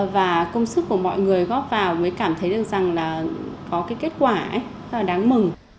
và công sức của mọi người góp vào mới cảm thấy được rằng là có cái kết quả ấy rất là đáng mừng